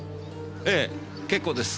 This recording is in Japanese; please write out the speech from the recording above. ええ結構です。